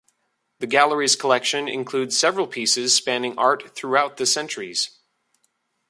The gallery's collection includes several pieces spanning art throughout the centuries.